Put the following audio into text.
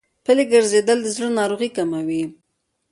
پلي ګرځېدل د زړه ناروغۍ کموي.